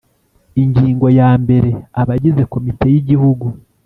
Ingingo ya mbere Abagize Komite y Igihugu